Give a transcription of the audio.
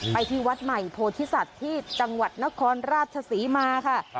ที่วัดใหม่โพธิสัตว์ที่จังหวัดนครราชศรีมาค่ะ